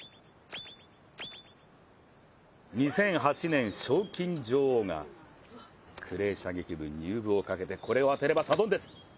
２００８年賞金女王がクレー射撃部入部をかけてこれを当てればザドンデス。